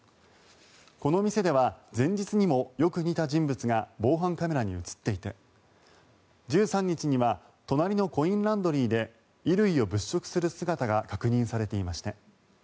この店では前日にもよく似た人物が防犯カメラに映っていて１３日には隣のコインランドリーで衣類を物色する姿が確認されていました。